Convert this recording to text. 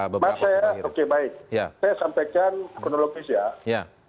mas saya sampaikan teknologis ya